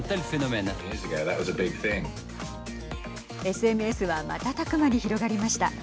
ＳＭＳは瞬く間に広がりました。